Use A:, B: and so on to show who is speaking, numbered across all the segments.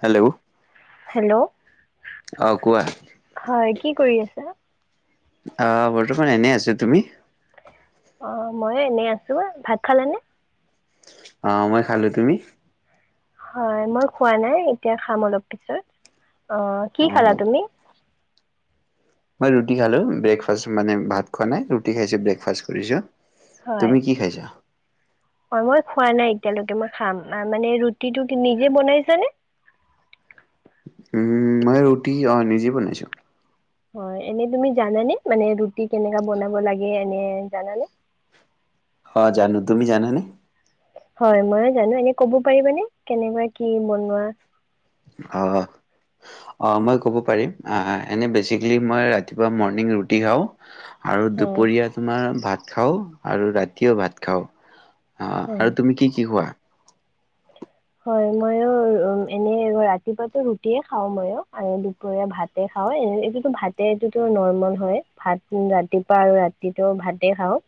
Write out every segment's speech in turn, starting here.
A: Hello
B: hello
A: অ কোৱা
B: হয় কি কৰি আছা?
A: আহ বৰ্তমান এনেই আছো তুমি?
B: অ মইয়ো এনেই আছো ভাত খালানে?
A: আহ মই খালো, তুমি?
B: হয় মই খোৱা নাই এতিয়া খাম অলপ পিছত। কি
A: অ
B: খালা তুমি?
A: মই ৰুটি খালো ব্ৰেকফাষ্ট মানে ভাত খোৱা নাই ৰুটি খাইছো ব্ৰেকফাষ্ট কৰিছো। তুমি কি খাইছা?
B: অ মই খোৱা নাই এতিয়ালৈকে মই খাম মানে। ৰুটিটো নিজে বনাইছানে?
A: মই ৰুটি অ নিজেই বনাইছোঁ।
B: হয় এনেই তুমি জানানে মানে ৰুটি কেনেকা বনাব লাগে এনে জানানে?
A: অ জানো, তুমি জানা নে?
B: হয় মইয়ো জানো এনে ক'ব পাৰিবানে কেনেকুৱা কি বনোৱা?
A: অ অ মই কব পাৰিম আ বেচিক্লী মই ৰাতিপুৱা মৰ্নিং ৰুটি খাওঁ। আৰু
B: হয়
A: দুপৰীয়া তোমাৰ ভাত। খাওঁ আৰু ৰাতিও ভাত খাওঁ। অ
B: হয়
A: আৰু তুমি কি কি খোৱা?
B: হয় মইয়ো উ এনেই ৰাতিপুৱাটো ৰুটিয়ে খাওঁ মইয়ো আনে দুপৰীয়া ভাত উ এইটোত নৰ্মেল হৈ ভাতটোত ৰাতিপুৱা আৰু ৰাতিটো ভাতে খাওঁ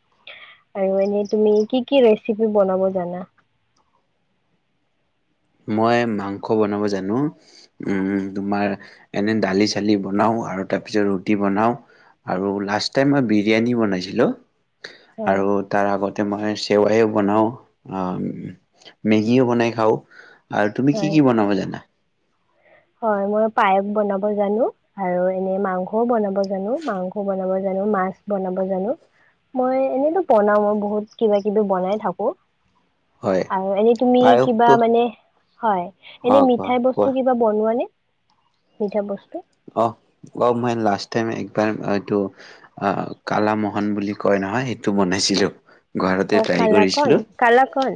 B: আৰু এনেই তুমি কি কি ৰেচিপি বনাৱ জানা?
A: মই মাংস বনাব জানো। তোমাৰ এনে দালি চালি বনাওঁ আৰু তাৰপিছত ৰুটি বনাওঁ আৰু লাষ্ট টাইম মই বিৰিয়ানী বনাইছিলোঁ।
B: হয়
A: আৰু তাৰ আগতে মই সেৱায়ো বনাওঁ মেগীও বনাই খাওঁ। আৰু তুমি
B: হয়
A: কি কি বনাব জানা?
B: হয় মই পায়স বনাব জানো আৰু এনে মাংসও বনাব জানো মাংস বনাব জানো মাছ বনাব জানো মই এনেতো বনাও বহুত কিবা কিবি বনাই থাকো।
A: হয়,
B: আৰু এনে তুমি কিবা
A: পায়সটো
B: মানে হয় এনে
A: অ', কোৱা
B: মিঠাই
A: কোৱা
B: বস্তু কিবা খোৱা নে? মিঠা বস্তু।
A: অ অ মই লাষ্ট টাইম এক এইটো অ কালা মোহন বুলি কয় নহয় সেইটো বনাইছিলো
B: অ কালাকন কালাকন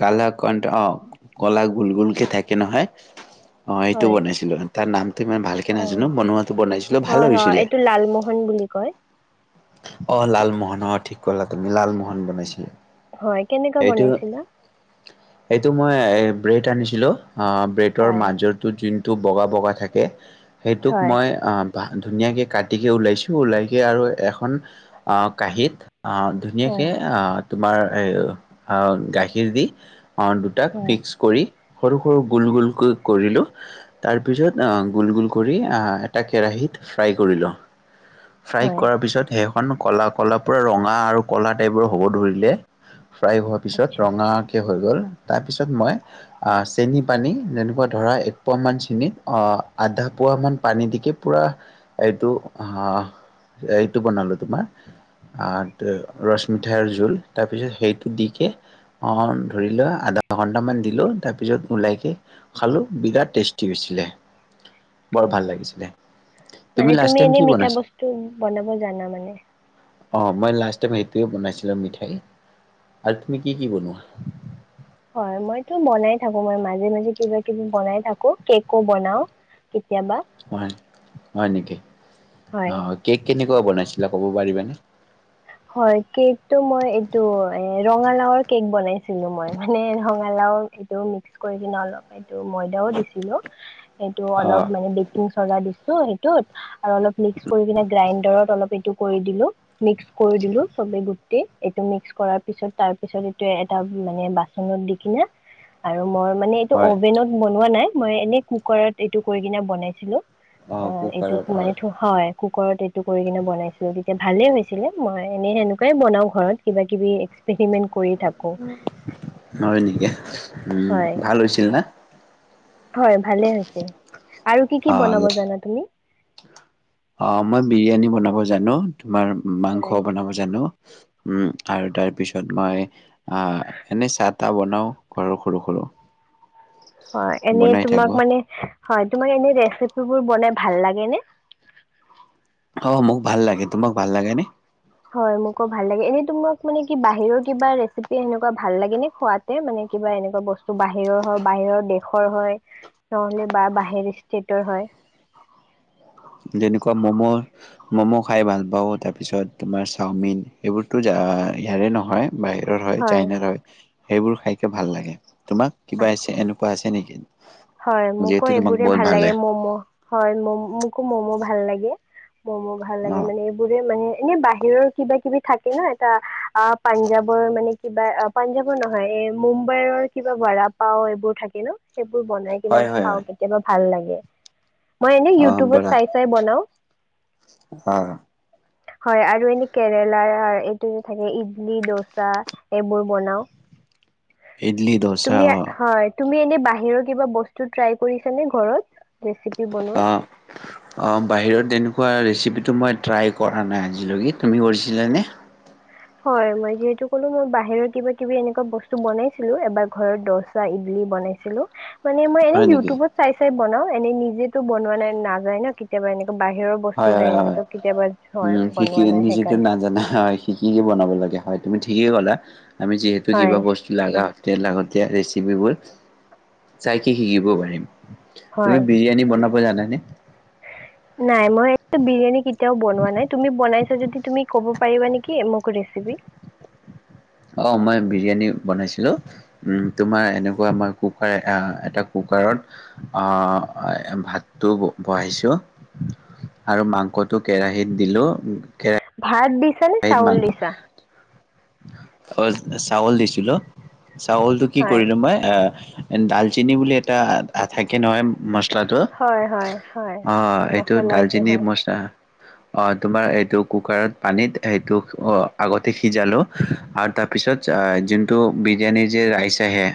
A: কালকণ্ড অ কলা গুলগুলকে থাকে নহয়। অ এইটো
B: হয়
A: বনাইছিলো তাৰ নাম ইমান ভালকে
B: অ
A: নাজানো বনোৱাটো বনাইছিলো ভাল
B: হয় হয়
A: হৈছিলে।
B: এইটো লালমোহন বুলি কয়
A: অ, লালমোহন অ ঠিক ক'লা তুমি লালমোহন বনাইছিলে।
B: হয়, কেনেকুৱা বনাইছিলে?
A: এইটো মই ব্ৰেড আনিছিলো। অ ব্ৰেডৰ
B: হয়
A: মাজৰটো যেন টো বগা, বগা থাকে। সেইটোক
B: হয়
A: মই ধুনীয়াকে কাটিকে ওলাইছো, ওলাইকে আৰু এ কাঁহিত, অ,
B: হয়
A: ধুনীয়াকৈ অ তোমাৰ এ গাখীৰ দি, আৰু দুটাক
B: হয়
A: মিক্স কৰি, সৰু, সৰু, গোল, গোল কৰিলো তাৰ পিছত আহ গোল, গোল কৰি আহ এটা কেৰাহীত ফ্ৰাই কৰিলো। ফ্ৰাই
B: হয়
A: কৰাৰ পিছত এখন ক'লা, ক'লা পুৰা ৰঙা আৰু ক'লা টাইপৰ হ'ব ধৰিলে। ফ্ৰাই হোৱাৰ পিছত,
B: আচ্ছা
A: ৰঙাকে হৈ গ'ল। তাৰপিছত মই আহ চেনি পানী যেনেকুৱা ধৰা, এক পোৱা মান চেনিত আহ আধা পোৱা মান পানী দিকে পুৰা এইটো আহ বনালো তোমাৰ, আহ ৰস মিঠাইৰ জোল তাৰপিছত সেইটো দিকে, অ ধৰি লোৱা আধা ঘন্টামান দিলো তাৰপিছত ওলাইকে খালো বিৰাট টেষ্টি হৈছিলে।
B: অ
A: বৰ ভাল লাগিছিলে
B: মানে,
A: লাষ্ট
B: তুমি
A: টাইম
B: এনেই
A: কি
B: মিঠা
A: বনাইছিলা
B: বস্তু বনাব জানা মানে হয় [inaudible]
A: অ মই লাষ্ট টাইম সেইটোৱে বনাইছিলো মিঠাই, আৰু তুমি কি কি বনোৱা?
B: হয় মইতো বনাই থাকো, মই মাজে মাজে কিবা কিবি বনাই থাকো কেকো বনাও। কেতিয়াবা
A: হয়, হয় নেকি অ
B: হয়
A: কেক কেনে কেনেকোৱা বনাইছিলা, ক'ব পাৰিবানে?
B: হয় কেকটো মই এইটো এ ৰঙালাওৰ কেক বনাইছিলো মই, মানে ৰঙালাও এইটো মিক্স কৰি কিনে অলপ এইটো ময়দাও দিছিলো, এইটো
A: অ
B: অলপ মানে বেকিং চদা দিছিলো। ত সেইতোত, আৰু অলপ মিক্স কৰি কেনে গাইণ্ডাৰত অলপ সেইতো কৰি দিলো। কৰি দিলো চবে গোট এইটো মিক্স কৰাৰ পিছত, তাৰ পিছত এইটো এটা মানে বাচনত দি কিনে আৰু মই মানে এইটো
A: হয়
B: অভেনত বনোৱা নাই। মই এনেই কুকাৰত এইটো কৰি কিনে বনাইছিলো, অ এইটোত মানেতো হয় কুকাৰত এইটো কৰি কিনে বনাইছো, তেতিয়া ভালেই হৈছিলে। মই এনে সেনেকুৱাই বনাও ঘৰত, কিবা কিবি এক্সপেৰিমেন্ট
A: হয় নেকি, উম
B: হয়
A: ভাল হৈছিল না?
B: হয় ভালে হৈছিল, আৰু কি
A: অ
B: কি বনাব জানা তুমি?
A: অ মই বিৰিয়ানী বনাব জানোঁ। তোমাৰ
B: হয়
A: মাংস বনাব জানোঁ। উম আৰু তাৰ পিছত মই। অ এনে চাত। টা বনাও ঘৰৰ সৰু সৰু।
B: হয় এনে
A: বনাই
B: তোমাক
A: থাকো
B: মানে। হয় তোমাক এনে ৰেচিপিবোৰ বনাই ভাল লাগে নে
A: অ মোক ভাল লাগে তোমাক ভাল লাগে নে।
B: হয় মোকো ভাল লাগে এনেই তোমাক মানে কি বাহিৰৰ কিবা ৰেচিপি সেনেকুৱা ভাল লাগে নে খোৱাতে মানে কিবা এনেকুৱা বস্তু। বাহিৰৰ বাহিৰৰ দেশ। খৰ হয়। নহ'লে বা বাহিৰ। টিটৰ হয়।
A: যেনেকুৱা ম'ম' ম'ম' খাই ভাল পাওঁ তাৰপিছত তোমাৰ চাওমিন এইবোৰতো ইয়াৰে নহয়। বাহিৰৰ হয় চাইনাৰ হয়। সেইবোৰ খাইকে ভাল লাগে। তোমাক কিবা আছে
B: আচ্ছা
A: এনেকুৱা আছে নেকি।
B: হয় মোকো
A: যিহেতু তোমাক
B: এইবোৰে
A: বহুত
B: ভাল লাগে মম' হয় মম মোকো মম'। ভাল লাগে। ম'মো ভাল
A: অ
B: লাগে মানে এইবোৰে মানে। এনে বাহিৰৰ কিবা কিবি থাকে ন এটা অ পাঞ্জাৱৰ মানে কিবা পাঞ্জাৱৰ নহয় এ মুম্বাইৰৰ কিবা বড়া পাওঁ এইবোৰ থাকে ন সেইব। সেইবোৰ বনাই কিনে
A: হয় হয়
B: খাওঁ
A: হয়
B: কেতিয়াবা ভাল লাগে। অ মই এনে
A: অ
B: ইউটিউবত
A: বৰা
B: চাই চাই বনাওঁ।
A: অ
B: হয় আৰু এনেই কেৰেলাৰ এইটো থাকে ইডলি দচা এইবোৰ বনাও।
A: ইডলি দচা।
B: তুমি এনে বাহিৰত। কিবা বস্তু টাৰাই কৰিছানে ঘৰত। ৰেচিপি বনোৱা
A: অ অ বাহিৰত এনেকুৱা ৰেচিপি। এই মই ট্ৰাই কৰা নাই আজিলৈকে তুমি কৰিছিলা নে।
B: হয় মই যিহেতু কলোঁ মই বাহিৰৰ কিবা কিবি এনেকুৱা বস্তু বনাইছিলোঁ এবাৰ ঘৰত দচা ইডলি বনাইছিলোঁ। মানে মই এনে
A: হয় নেকি
B: ইউটিউবত চাই চাই বনাওঁ। এনেই নিজেতো বনোৱা নাই নাযায় ন কেতিয়াবা এনেক। বাহিৰৰ
A: হয়
B: বস্তু
A: হয়
B: হয়ে
A: হয়
B: এনেতো কেতিয়াবা
A: উম,
B: হয় বনোৱা নাই সেইকাৰণে।
A: কি কি বনাব লাগে হয় তুমি ঠিকেই ক'লা। আমি যিহেতু
B: হয়
A: কিবা বস্তু লগাওঁ। তে লাগতীয়া ৰেচিপিবোৰ, চাই কিে শিকিব পাৰিম। তুমি
B: হয়
A: বিৰিয়ানী বনাব জানাই নে?
B: নাই মই এই বিৰিয়ানী এতিয়া বনোৱা নাই তুমি বনাইছা যদি তুমি ক'ব পাৰিবা নেকি মোক ৰেচেপি?
A: অহ মই বিৰিয়ানী বনাইছিলো, উ তোমাৰ এনেকুৱা মই কুকাৰ এটা কুকাৰত আহ ভাতটো বহাইছো আৰু মাংসটো কেৰাহীত দিলো কে
B: ভাত দি দিছা নে চাউল দিছা?
A: অ চাউল দিছিলো। চাউলটো কি
B: হয়
A: কৰিলো মাই এ ডালচিনি বুলি এটা থাকে নহয়। মচলাটো?
B: হয় হয় হয়
A: অ' এইটো
B: মছলা
A: ডালচিনিৰ
B: হয়
A: মচলা অহ তোমাৰ এইটো কুকাৰত পানীত সেইটো আগতে সিজালো। আৰু তাৰ পিছত যোনটো বিৰিয়ানীৰ যে ৰাইচ আহে?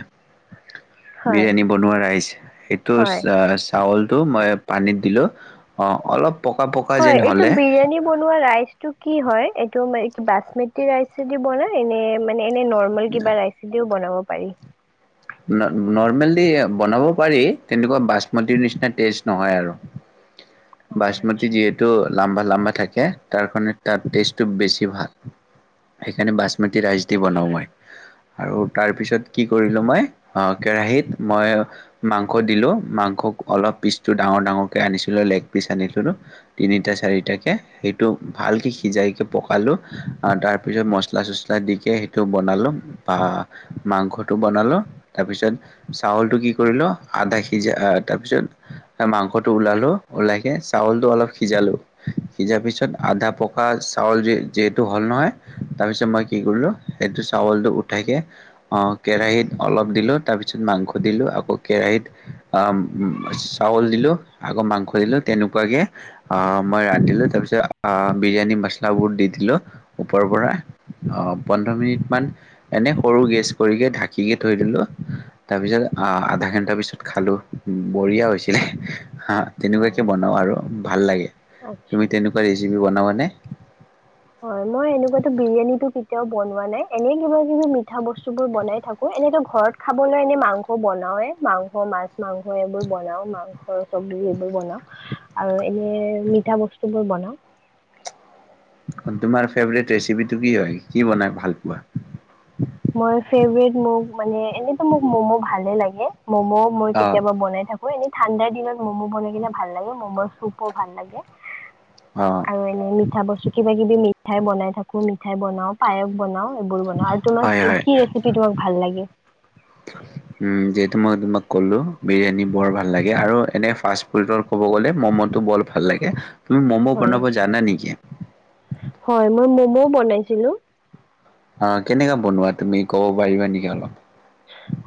B: হয়
A: বিৰিয়ানী বনোৱা ৰাইচ এইটো
B: হয়
A: চাউলটো মই পানীত দিলো। অহ অলপ পকা পকা
B: হয়
A: যেন
B: এইটো
A: হ'লে
B: বিৰিয়ানী বনোৱা ৰাইচটো কি হয়? এইটো মে কি বাচমতি ৰাইচ দি বনাই নে? মানে এনে নৰ্মেল কিবা ৰাইচি দিও বনাব প পাৰি।
A: নৰ্মেল দি বনাব পাৰি, তেনেকুৱা বাচমতিৰ নিচিনা টেষ্ট নহয় আৰু।
B: অঁ
A: বাচমতি
B: আচ্ছা।
A: যিহেতু লাম্বা-লাম্বা থাকে তাৰ কাৰণে তাৰ টেষ্টটো বেছি ভাল, সেইখিনি বাচমতি ৰাইচ দি বনাওঁ মই। আৰু তাৰপিছত কি কৰিলোঁ মই আহ কেৰাহিত মই মাংস দিলো, মাংস অলপ পিচটো ডাঙৰ-ডাঙৰকে আনিছিলো লেগ পিচ আনিছিলোো তিনিটা-চাৰিটাকে সেইটো ভালকে সিজাইক পকালো তাৰপিছত মচলা চচলা দিকে সেইটো বনালো বা মাংসটো বনালো তাৰপিছত চাউল টো কি কৰিল আধা সিজা আহ তাৰ পিছ মাংস ফটো ওলালো, ওলাইকে চাউলটো অলপ সিজালোঁ, সিজাৰ পিছত আধা পকা চাউল যিহেতু হ'ল নহয় তাৰপিছত মই কি কৰিলোঁ সেইটো চাউলটো উঠাকৈ অ কেৰাহীত অলপ দিলো তাৰপিছত মাংস দিলো আকৌ কেৰাহীত চাউল দিলো আকৌ মাংস দিলো তেনেকুৱাকে মই ৰান্ধিলো তাৰপিছত বিৰিয়ানী মছলাাবোৰ দি দিলো ওপৰৰ পৰা পোন্ধৰ মিনিট মান এনে সৰু গেছ কৰিকে ঢাকিকে থৈ দিলো। তাৰপিছত আহ আধা ঘণ্টা পিছত খালো বঢ়িয়া হৈছিলে। হা তেনেকুৱাকে বনাও
B: অঁ
A: আৰু। ভাল লাগে। তুমি
B: আচ্ছা।
A: তেনেকুৱা ৰেচিপি বনাবানে?
B: হয় মই এনেকুৱাতো বিৰিয়ানীটো কেতিয়াও বনোৱা নাই এনে কিবা-কিবি মিঠা বস্তু বোৰ বনাই থাকো। এনেতো ঘৰত খাবলৈ এনে মাংস বনাও এ মাংস মাছ মাংস এইবোৰ বনাও মাংস চবজি এইবোৰ বনাও আৰু এনে মিঠা বস্তু বোৰ বনা হ [inaudible]
A: তোমাৰ ফেভৰেট ৰেচিপিটো কি হয় কি বনাই ভাল পোৱা
B: মই ফেভৰেট মোক মানে এনে টো মোক মম ভালে লাগে মম' মই
A: অ'
B: কেতিয়াবা বনাই থাকো। হয় এনে ঠাণ্ডাৰ দিনত। ম'ম' বনাই কিনে ভাল লাগে ম'ম' চুপ ও ভাল লাগে।
A: অ'
B: আৰু এনে মিঠা বস্তু কিবা কিবি মি মিঠাই বনাই থাকো মিঠাই বনাও পায়স বনাও এইবোৰ বনাও আৰু তোমাক
A: হয় হয়
B: কি ৰেচিপি তোমাক ভাল লাগে
A: যিহেতু মই তোমাক ক'লো বিৰিয়ানী বৰ ভাল লাগে আৰু এনে ফাষ্ট ফুডৰ ক'ব গ'লে ম'ম'টো বৰ ভাল লাগে তুমি ম'ম'
B: হয়
A: বনাব জানা নেকি।
B: দিলো [unintelligible]
A: অ কেনেকা বনোৱা তুমি কব পাৰিবা নেকি অলপ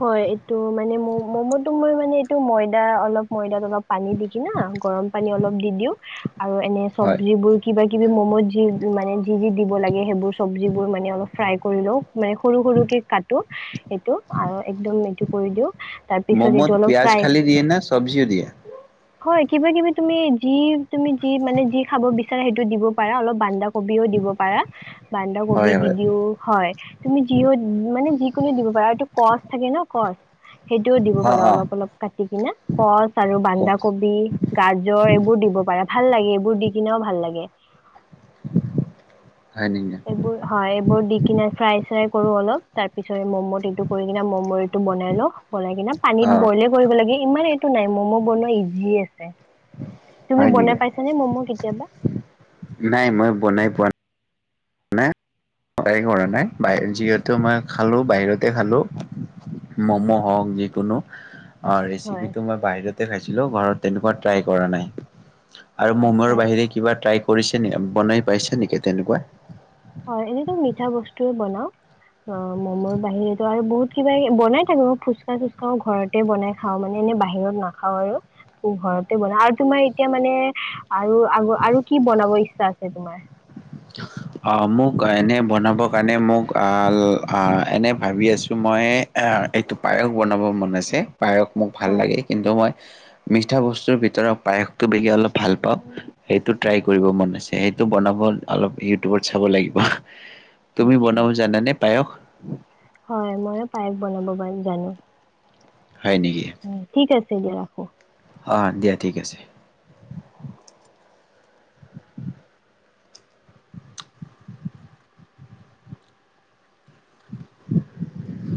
B: হয় এইটো মানে ম মমো টো মই মানে এইটো ময়দা অলপ ময়দা অলপ পানী দি কিনা গৰম পানী অলপ দি দিও আৰু এনে
A: হয়,
B: চবজি বোৰ কিবা কিবি ম'মো যি মানে যি যি দিব লাগে সেইবোৰ চবজিবোৰ মানে অলপ ফ্ৰাই কৰি লওঁ মানে সৰু সৰুকে‌ কাটো এইটো আৰু একদম এইটো কৰি দিওঁ তাৰপিছত এইটো
A: ম'ম'ত
B: অলপ
A: পিয়াজ
B: ফ্ৰাই
A: খালি দিয়ে না চব্জিও দিয়ে?
B: হয় কিবা কিবি তুমি যি তুমি যি মানে যি খাব বিচাৰা সেইটো দিব পাৰা অলপ বান্ধা কবিও দিব পাৰা বান্ধা
A: হয়
B: কবিও দি
A: হয়,
B: দিও হয় তুমি যি মানে যিও কোনে দিব [unintelligible] পাৰে আৰু এইটো। কচ থাকে নে কচ সেইটোও দিব
A: অ'
B: পাৰা
A: অ'
B: অলপ অলপ কাটি কিনে কচ আৰু
A: কোৱা।
B: বান্দাকবি গাজৰ এইবোৰ দিব পাৰা ভাল লাগে এইবোৰ দি কিনেও ভাল লাগে
A: হয় নেকি?
B: এইবোৰ হয় এইবোৰ দি কিনে ফ্ৰাই চ্ৰাই কৰো অলপ তাৰ পিছত মম কৰি কিনে মম টো বনাই লওঁ বনাই কিনে পানীত
A: অ'
B: বইলে কৰিব লাগে ইমান এইটো নাই ম'ম' বনোৱা ইজি আছে তুমি
A: হয় নেকি?
B: বনাই পাইছানে মম' কেতিয়াবা
A: নাই মই বনাই পোৱা নাই মই ট্ৰাই কৰা নাই যিহেতু মই খালোঁ বাহিৰতে খালো মম' হওক যিকোনো অ
B: হয়
A: ৰেচিপিটো মই বাহিৰতে খাইছিলোঁ ঘৰত তেনেকুৱা ট্ৰাই কৰা নাই আৰু
B: আচ্ছা
A: মমৰ বাহিৰে কিবা টাই কৰিছে নেকি বনাই পাইছে নেকি তেনেকুৱা
B: হয় এনেতো মিঠা বস্তুয়ে বনাও অ মমৰ বাহিৰেতো আৰু বহুত কিবা বনাই থাকো ফুচকা চুচকা ঘৰতে বনাই খাও মানে এনে বাহিৰত নাখাও আৰু ঘৰতে বনাও আৰু তোমাৰ এতিয়া মানে আৰু আগ আৰু কি বনাব ইচ্ছা ছা আছে তোমাৰ
A: অ মোক এনে বনাব কাৰণে মোক আহ এনে ভাবি আছো মই এইটো পায়স বনাব মন আছে পায়স মোক ভাল
B: হয়
A: লাগে কিন্তু মই। মিঠা বস্তুৰ ভিতৰত পায়সটো বেছি অলপ ভাল পাওঁ সেইটো ট্ৰাই কৰিব মন আছে সেইটো বনাব অলপ ইউটিউবত চাব লাগিব। তুমি
B: আচ্ছা
A: বনাব জানানে? পায়স
B: হয় ময়ো পায়স বনাব জানো।
A: হয় নেকি।
B: হয় ঠিক আছে দিয়া ৰাখো।
A: আহ দিয়া ঠিক আছে।